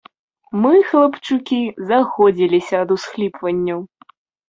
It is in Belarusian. Мы, хлапчукі, заходзіліся ад усхліпванняў.